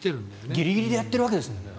ギリギリでやってるわけすね。